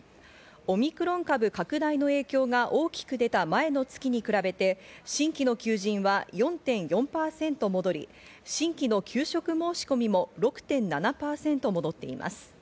オミクロン株拡大の影響が大きく出た前の月に比べて、新規の求人は４．４％戻り、新規の求職申し込みも６．７％戻っています。